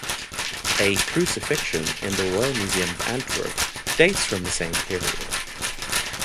A "Crucifixion" in the Royal Museum of Antwerp dates from the same period.